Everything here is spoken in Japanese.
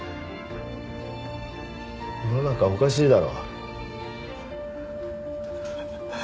世の中おかしいだろ。